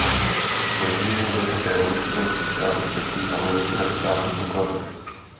Později byl také ministrem sociálních věcí a ministrem státní pokladny.